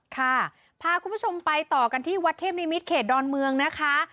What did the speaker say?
ค่ะพาคุณผู้ชมไปต่อกันที่วัดเทพนิมิตรเขตดอนเมืองนะคะ